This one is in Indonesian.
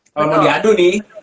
kalau mau diadu nih